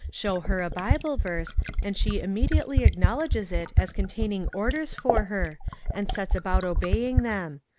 Show her a Bible verse and she immediately acknowledges it as containing orders for her, and sets about obeying them.